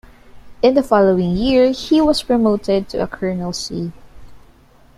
In the following year, he was promoted to a colonelcy.